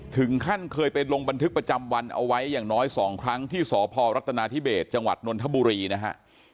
ถึงขั้นเคยไปลงบันทึกประจำวันเอาไว้อย่างน้อย๒ครั้งที่สพรัฐนาธิเบสจังหวัดนนทบุรีนะฮะ